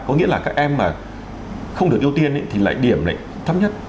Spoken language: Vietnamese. có nghĩa là các em mà không được ưu tiên thì lại điểm lại thấp nhất